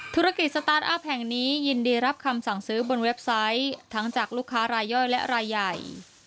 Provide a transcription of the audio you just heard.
ธุรกิจสตาร์ทอัพแห่งนี้ยินดีรับคำสั่งซื้อบนเว็บไซต์ทั้งจากลูกค้ารายย่อยและรายใหญ่